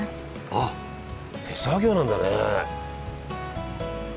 あっ手作業なんだね。